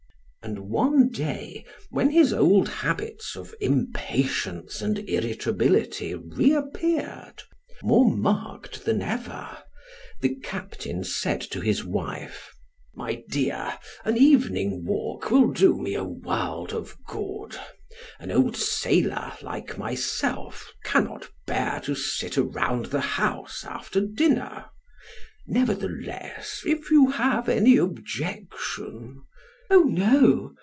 And one day, when his old habits of impatience and irritability reappeared, more marked than ever, the captain said to his wife: "My dear, an evening walk will do me a world of good; an old sailor like myself cannot bear to sit around the house after dinner. Nevertheless, if you have any objection " "Oh, no!